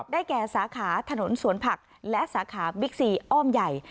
ได้แก่สาขาถนนสวนผักและสาขาบิ๊กซีอ้อมใหญ่